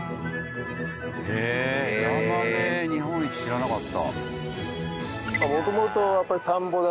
へえ枝豆日本一知らなかった。